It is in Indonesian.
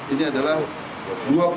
ini adalah dua puluh juta